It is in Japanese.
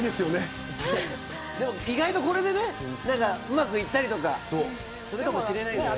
意外とこれでうまくいったりとかするかもしれない。